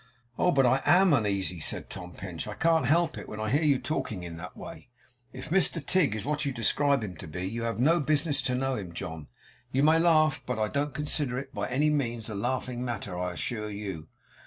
'Oh, but I AM uneasy,' said Tom Pinch; 'I can't help it, when I hear you talking in that way. If Mr Tigg is what you describe him to be, you have no business to know him, John. You may laugh, but I don't consider it by any means a laughing matter, I assure you.